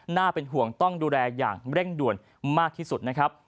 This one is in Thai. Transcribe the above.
น่าเป็นห่วงต้องดูแลอย่างเร่งด่วนมากที่สุดนะครับ